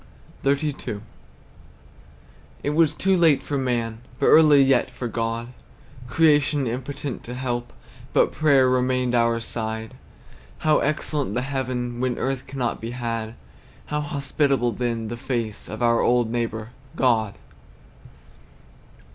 XXXII. It was too late for man, But early yet for God; Creation impotent to help, But prayer remained our side. How excellent the heaven, When earth cannot be had; How hospitable, then, the face Of our old neighbor, God!